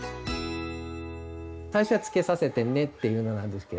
最初は「つけさせてね」っていうのなんですけど。